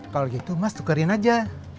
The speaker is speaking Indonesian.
kalau gitu mas tukarin aja